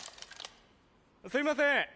すいません